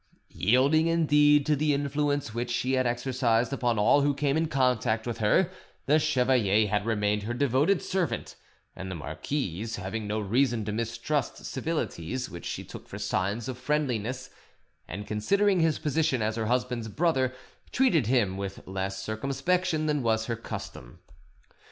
Yielding, indeed, to the influence which she exercised upon all who came in contact with her, the chevalier had remained her devoted servant; and the marquise, having no reason to mistrust civilities which she took for signs of friendliness, and considering his position as her husband's brother, treated him with less circumspection than was her custom.